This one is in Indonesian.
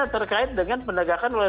terkait dengan penegakan oleh